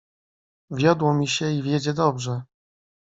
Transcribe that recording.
"Wiodło mi się i wiedzie dobrze."